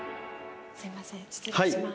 すいません失礼します。